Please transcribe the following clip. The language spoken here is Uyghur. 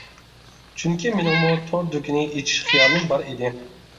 چۈنكى مېنىڭمۇ تور دۇكىنى ئېچىش خىيالىم بار ئىدى.